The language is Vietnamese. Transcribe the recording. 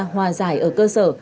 hòa giải ở cơ sở